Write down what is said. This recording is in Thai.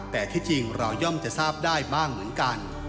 แต่ที่จริงเราย่อมจะทราบได้บ้างเหมือนกัน